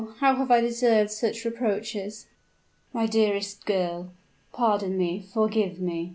how have I deserved such reproaches?" "My dearest girl, pardon me, forgive me!"